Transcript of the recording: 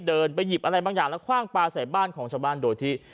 เดินไปหยิบอะไรบางอย่างแล้วคว่างปลาใส่บ้านของชาวบ้านโดยที่